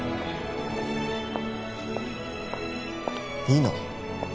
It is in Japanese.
いいの？